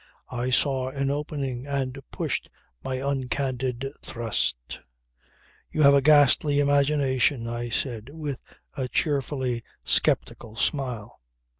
I saw an opening and pushed my uncandid thrust. "You have a ghastly imagination," I said with a cheerfully sceptical smile.